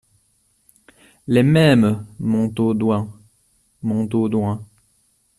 Les Mêmes, Montaudoin Montaudoin.